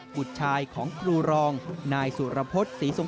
กุฏชายของครูรองนายสุรพจน์